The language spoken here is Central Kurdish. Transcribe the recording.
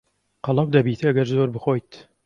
قەڵەو دەبیت ئەگەر زۆر بخۆیت.